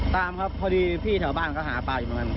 ตามครับพอดีพี่แถวบ้านเขาหาปลาอยู่เหมือนกัน